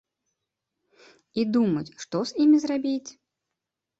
І думаюць, што з імі зрабіць.